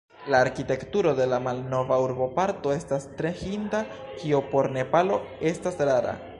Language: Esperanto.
La arkitekturo de la malnova urboparto estas tre hinda, kio por Nepalo estas rara.